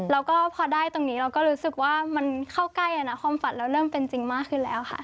แล้วก็พอได้ตรงนี้เราก็รู้สึกว่ามันเข้าใกล้ความฝันเราเริ่มเป็นจริงมากขึ้นแล้วค่ะ